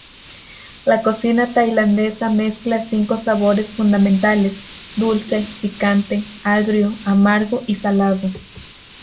La cocina tailandesa mezcla cinco sabores fundamentales: dulce, picante, agrio, amargo y salado.